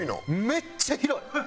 めっちゃ広い！